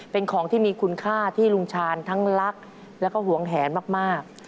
เป็นของที่มีคุณค่าที่ลุงชาญทั้งรักแล้วก็หวงแหนมาก